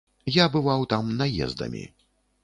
Я бываў там наездамі.